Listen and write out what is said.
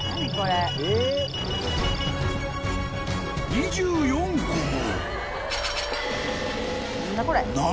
［２４個も］